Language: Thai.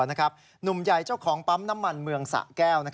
หนุ่มใหญ่เจ้าของปั๊มน้ำมันเมืองสะแก้ว